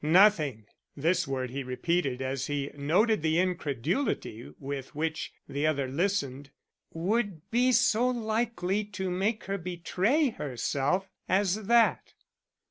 Nothing " this word he repeated as he noted the incredulity with which the other listened "would be so likely to make her betray herself as that."